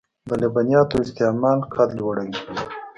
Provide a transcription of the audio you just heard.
د لبنیاتو استعمال قد لوړوي .